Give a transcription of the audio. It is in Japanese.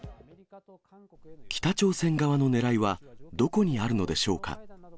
北朝鮮側のねらいはどこにあるのでしょうか。